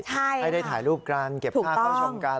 ให้ได้ถ่ายรูปกันเก็บภาพเข้าชมกัน